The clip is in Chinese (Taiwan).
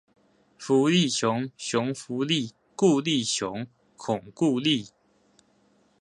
福利熊，熊福利，顧立雄，恐固力